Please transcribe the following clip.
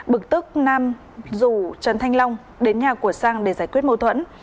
bực tức nam rủ trần thanh long đến nhà của sang để giải quyết mâu thuẫn